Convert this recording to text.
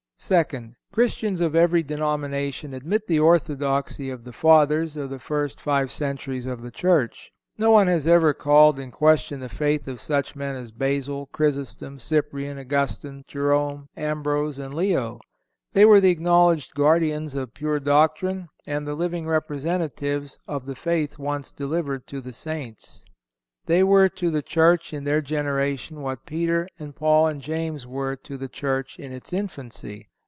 Second—Christians of every denomination admit the orthodoxy of the Fathers of the first five centuries of the Church. No one has ever called in question the faith of such men as Basil, Chrysostom, Cyprian, Augustine, Jerome, Ambrose and Leo. They were the acknowledged guardians of pure doctrine, and the living representatives "of the faith once delivered to the Saints." They were to the Church in their generation what Peter and Paul and James were to the Church in its infancy.